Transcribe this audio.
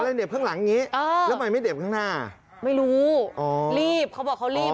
ก็เลยเด็บข้างหลังนี้เออแล้วมันไม่เด็บข้างหน้าไม่รู้อ๋อรีบเขาบอกเขารีบ